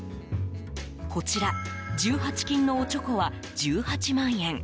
こちら、１８金のおちょこは１８万円。